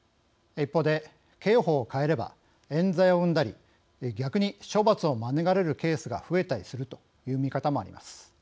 一方で、刑法を変えればえん罪を生んだり逆に処罰を免れるケースが増えたりするという見方もあります。